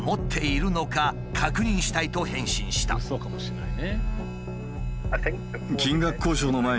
うそかもしれないね。